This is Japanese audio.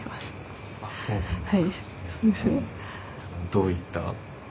どういった？